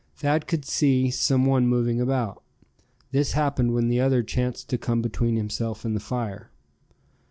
Thad could see some one moving about. This happened when the other chanced to come between himself and the fire.